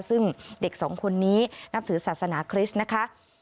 ซึ่งเด็กสองคนนี้นับถือศาสนาคริสต์นะคะ